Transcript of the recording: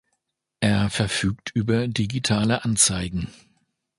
Er verfügt über digitale Anzeigen.